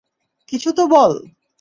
কিছু তো বল!